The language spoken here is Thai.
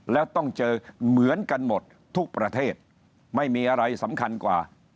แล้วต้องเจอเหมือนกันหมดทุกประเทศไม่มีอะไรสำคัญกว่า